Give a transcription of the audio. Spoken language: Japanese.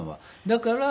だから。